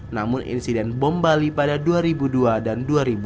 namun insiden bom bali pada dua ribu dua dan dua ribu dua